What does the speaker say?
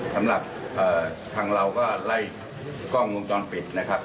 สำหรับทางเราก็ไล่กล้องวงจรปิดนะครับ